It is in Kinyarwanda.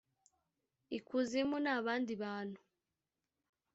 ikuzimu ni abandi bantu.